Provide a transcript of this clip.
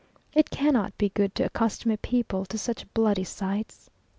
It cannot be good to accustom a people to such bloody sights.